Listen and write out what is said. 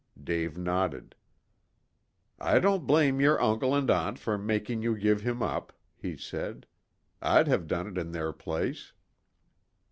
Dave nodded. "I don't blame your uncle and aunt for making you give him up," he said. "I'd have done it in their place."